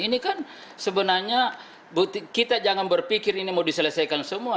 ini kan sebenarnya kita jangan berpikir ini mau diselesaikan semua